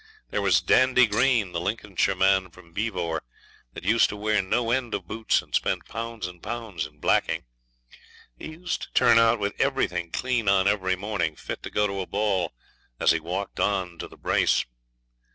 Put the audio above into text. There was Dandy Green, the Lincolnshire man from Beevor, that used to wear no end of boots and spend pounds and pounds in blacking. He used to turn out with everything clean on every morning, fit to go to a ball, as he walked on to the brace.